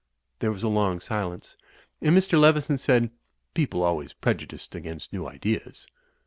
There was a long silence and Mr. Leveson said, "People always prejudiced against new ideas."